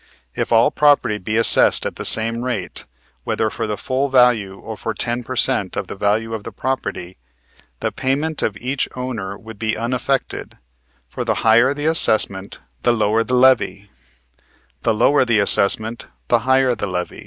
If all property be assessed at the same rate, whether for the full value or for ten per cent, of the value of the property, the payment of each owner would be unaffected; for the higher the assessment, the lower the levy; the lower the assessment, the higher the levy.